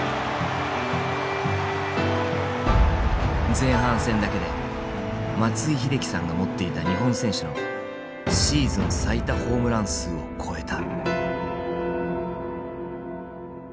前半戦だけで松井秀喜さんが持っていた日本選手のシーズン最多ホームラン数を超えた。